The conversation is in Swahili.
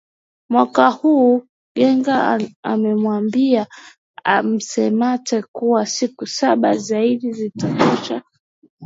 mwaka huu ngega amewambia maseneta kuwa siku saba zaidi zitatosha